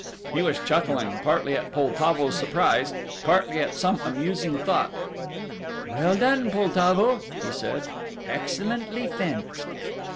He was chuckling, partly at Poltavo's surprise, partly at some amusing thought. "Well done, Poltavo," he said; "excellently fenced."